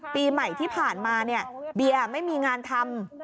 ปีใหม่ที่ผ่านมาเนี่ยเบียร์ไม่มีงานทำ